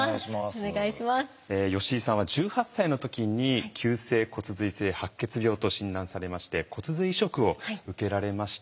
吉井さんは１８歳の時に急性骨髄性白血病と診断されまして骨髄移植を受けられました。